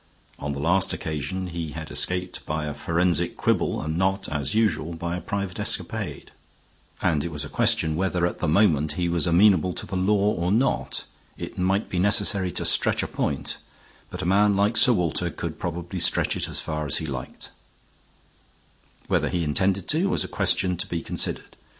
On the last occasion he had escaped by a forensic quibble and not, as usual, by a private escapade; and it was a question whether at the moment he was amenable to the law or not. It might be necessary to stretch a point, but a man like Sir Walter could probably stretch it as far as he liked. Whether he intended to do so was a question to be considered.